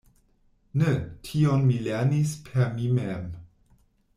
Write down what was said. Ne, tion mi lernis per mi mem.